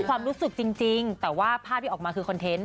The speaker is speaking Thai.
ความรู้สึกจริงแต่ว่าภาพที่ออกมาคือคอนเทนต์